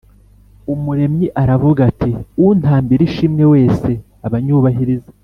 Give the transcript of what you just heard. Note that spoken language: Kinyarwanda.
umuremyi aravuga ati: ‘untambira ishimwe wese aba anyubahiriza.